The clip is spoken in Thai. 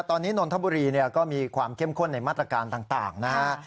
ตอนนี้นนทบุรีเนี่ยก็มีความเข้มข้นในบ้านประมาณต่างนะฮะ